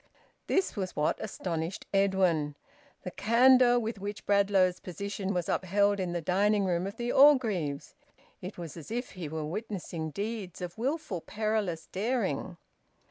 This was what astonished Edwin: the candour with which Bradlaugh's position was upheld in the dining room of the Orgreaves. It was as if he were witnessing deeds of wilful perilous daring.